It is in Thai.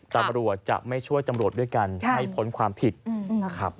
ตำรวจจะไม่ช่วยตำรวจด้วยกันให้พ้นความผิดนะครับ